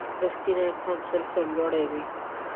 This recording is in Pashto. • رښتینی انسان تل سرلوړی وي.